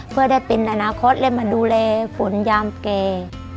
เพื่อได้เป็นอนาคตและมาดูแลฝนยามแก่